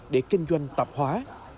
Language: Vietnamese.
để kinh doanh tạp hóa